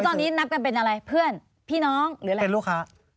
แล้วตอนนี้นับกันเป็นอะไรเพื่อนพี่น้องหรืออะไร